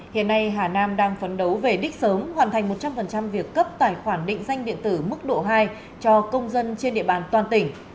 hiện nay hà nam đang phấn đấu về đích sớm hoàn thành một trăm linh việc cấp tài khoản định danh điện tử mức độ hai cho công dân trên địa bàn toàn tỉnh